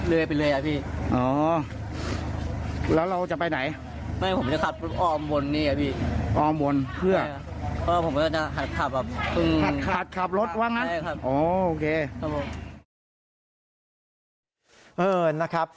เอิญนะครับ